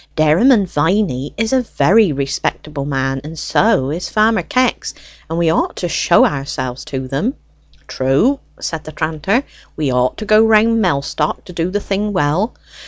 "Dairyman Viney is a very respectable man, and so is Farmer Kex, and we ought to show ourselves to them." "True," said the tranter, "we ought to go round Mellstock to do the thing well.